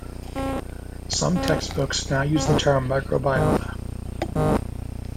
Some textbooks now use the term microbiota.